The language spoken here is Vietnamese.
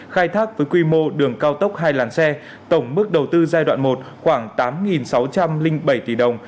khai thác với quy mô đường cao tốc hai làn xe tổng mức đầu tư giai đoạn một khoảng tám sáu trăm linh bảy tỷ đồng